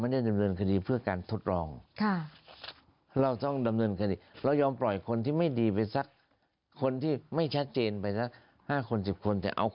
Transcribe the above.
เทคโนโลยีมันไปคนที่มาให้การ